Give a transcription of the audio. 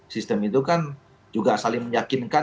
sistem itu kan juga saling meyakinkan